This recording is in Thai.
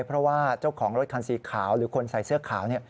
เพราะว่าเจ้าของรถคันสีขาวหรือคนใส่เสื้อขาวเนี่ย